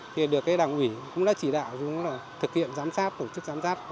thì được cái đảng ủy cũng đã chỉ đạo xuống là thực hiện giám sát tổ chức giám sát